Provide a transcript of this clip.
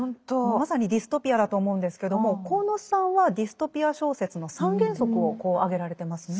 まさにディストピアだと思うんですけども鴻巣さんはディストピア小説の３原則をこう挙げられてますね。